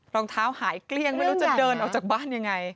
รองเท้าหายเกลี้ยงไม่รู้จะเดินออกจากบ้านยังไง